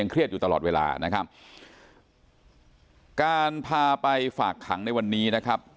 เครียดอยู่ตลอดเวลานะครับการพาไปฝากขังในวันนี้นะครับ